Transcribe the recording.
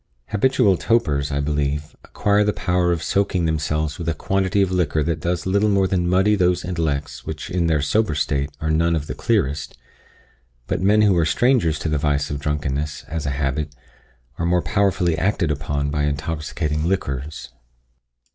Habitual topers, I believe, acquire the power of soaking themselves with a quantity of liquor that does little more than muddy those intellects which in their sober state are none of the clearest; but men who are strangers to the vice of drunkenness as a habit, are more powerfully acted upon by intoxicating liquors.